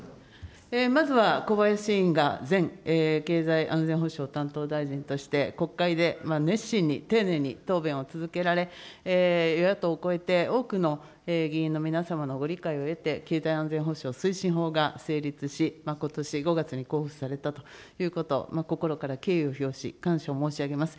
まずは小林委員が前経済安全保障担当大臣として、国会で熱心に丁寧に答弁を続けられ、与野党を越えて多くの議員の皆様のご理解を得て経済安全保障推進法が成立し、ことし５月に交付されたということ、心から敬意を表し、感謝を申し上げます。